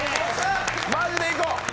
マジでいこう！